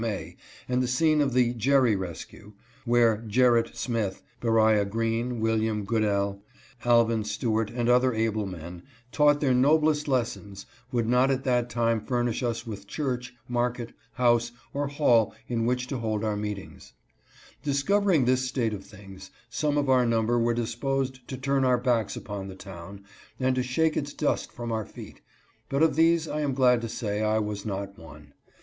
May and the scene of the " Jerry rescue ;" where Gerrit Smith, Beriah Greene, William Goodell, Alvin Stewart, and other able men taught their noblest lessons, would not at that time furnish us with church, market, house, or hall in which to hold 282 EECEPTION IN SYRACUSE. our meetings. Discovering this state of things, some of our number were disposed to turn our backs upon the town and to shake its dust from our feet, but of these, I am glad to say, I was not one.